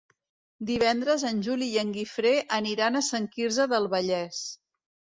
Divendres en Juli i en Guifré aniran a Sant Quirze del Vallès.